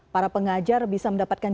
para pengajar bisa mendapatkan